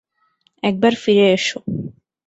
একবার ফিরে এসো।